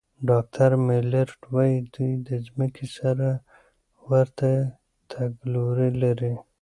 ډاکټر میلرډ وايي، دوی د ځمکې سره ورته تګلوري لري.